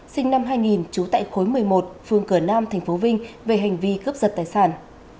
sinh năm hai nghìn trú tại khối một mươi một phương cờ nam thành phố vinh về hành vi cướp giật tài sản